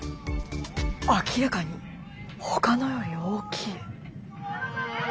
明らかにほかのより大きい。